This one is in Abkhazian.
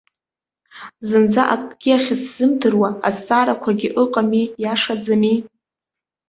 Зынӡа акгьы ахьысзымдыруа азҵаарақәагьы ыҟами иашаӡами!